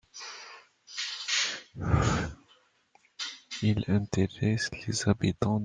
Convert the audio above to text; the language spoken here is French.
Il intéresse les habitants d'un hameau, d'une communauté ou de plusieurs communautés villageoises solidaires.